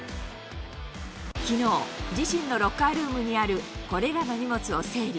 きのう、自身のロッカールームにあるこれらの荷物を整理。